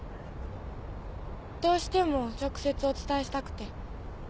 どうしても直接お伝えしたくて。